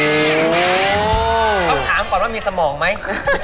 ต้องถามก่อนว่ามีสมองไหม